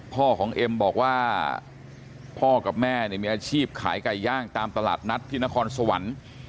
พ่อของเอ็มบอกว่าพ่อกับแม่เนี่ยมีอาชีพขายไก่ย่างตามตลาดนัดที่นครสวรรค์